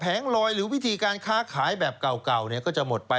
ลอยหรือวิธีการค้าขายแบบเก่าก็จะหมดไป